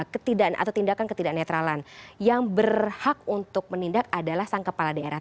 ketidak atau tindakan ketidak netralan yang berhak untuk menindak adalah sang kepala daerah